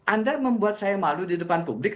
anda yang membuat saya malu di depan publik